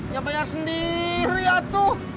ya bayar sendiri atuh